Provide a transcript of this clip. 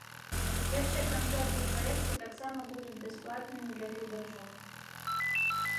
Першыя канцэрты праекту таксама будуць бясплатнымі для гледачоў.